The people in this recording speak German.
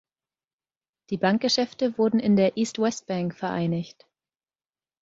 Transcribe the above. Die Bankgeschäfte wurden in der „East West Bank“ vereinigt.